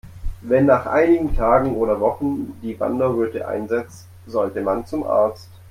Wenn nach einigen Tagen oder Wochen die Wanderröte einsetzt, sollte man zum Arzt.